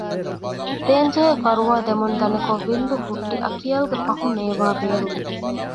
ދޭންޖެހޭ ފަރުވާދެމުން ދަނިކޮށް ވިންދުހުއްޓި އަކިޔަލްގެ ފަހުނޭވާ ބޭރުވި